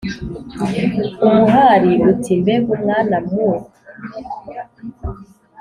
umuhari uti ” mbega mwana mui